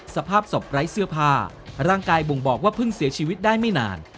สภาพศพไร้เสื้อผ้าร่างกายบ่งบอกว่าเพิ่งเสียชีวิตได้ไม่นาน